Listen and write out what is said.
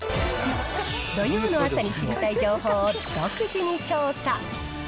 土曜の朝に知りたい情報を独自に調査。